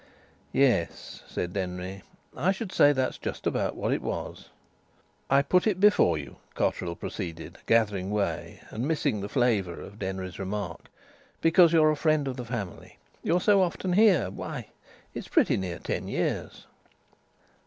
"Yes," said Denry. "I should say that was just about what it was." "I put it before you," Cotterill proceeded, gathering way, and missing the flavour of Denry's remark. "Because you're a friend of the family. You're so often here. Why, it's pretty near ten years...."